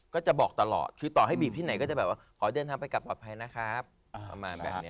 ก็จะบอกตลอดคือต่อให้บีบที่ไหนก็จะแบบว่าขอเดินทางไปกลับปลอดภัยนะครับประมาณแบบนี้